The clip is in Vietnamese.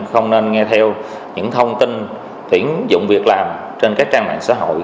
không nên nghe theo những thông tin tuyển dụng việc làm trên các trang mạng xã hội